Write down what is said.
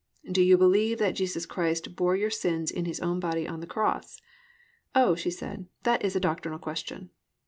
"Do you believe that Jesus Christ bore your sins in His own body on the cross?" "Oh," she said, "that is a doctrinal question."